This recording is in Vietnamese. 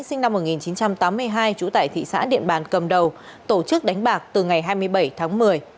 sinh năm một nghìn chín trăm tám mươi hai trú tại thị xã điện bàn cầm đầu tổ chức đánh bạc từ ngày hai mươi bảy tháng một mươi